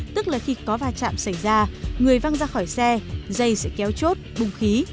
tức là khi có va chạm xảy ra người văng ra khỏi xe dây sẽ kéo chốt bung khí